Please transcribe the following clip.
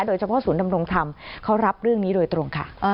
ศูนย์ดำรงธรรมเขารับเรื่องนี้โดยตรงค่ะ